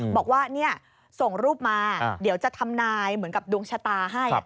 บอกว่าส่งรูปมาเดี๋ยวจะทำนายเหมือนกับดวงชะตาให้